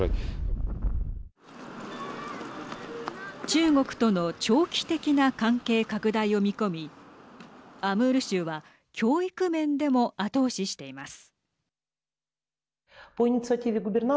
中国との長期的な関係拡大を見込みアムール州は教育面でも後押ししています。